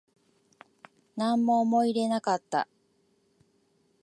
なんも思い入れなかった